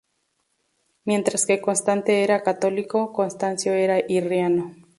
Mientras que Constante era católico, Constancio era arriano.